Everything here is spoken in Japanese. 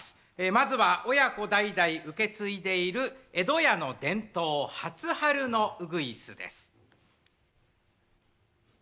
まずは親子代々受け継いでいる江戸家の伝統初春のウグイスです。